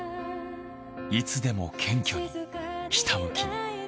いつでも謙虚にひたむきに。